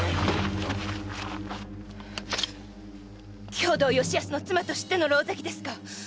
兵藤由泰の妻と知っての狼藉ですか。